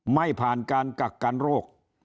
ไม่ผ่านการกักกันโรค